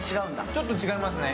ちょっと違いますね。